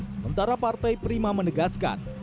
sementara partai prima menegaskan